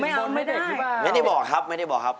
บนไม่เด็กหรือเปล่าไม่ได้บอกครับไม่ได้บอกครับ